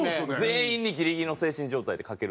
全員にギリギリの精神状態でかける。